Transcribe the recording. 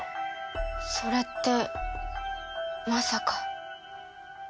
それってまさか。